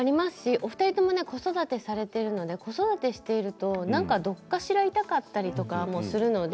お二人とも子育てをされているので子育てをしているとどこかしら痛かったりするので